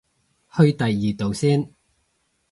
去第二度先